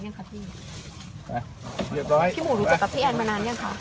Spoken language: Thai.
เมื่อกี้อีแรกคือว่าโปรดรูปอันนี้